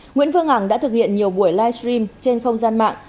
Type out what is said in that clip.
nguyễn phương hằng đã thực hiện nhiều buổi live stream trên không gian mạng